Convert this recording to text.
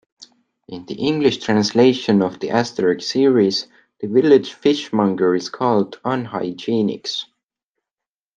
In the English translation of the Asterix series, the village fishmonger is called Unhygienix.